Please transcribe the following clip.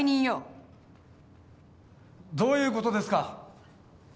・どういうことですか？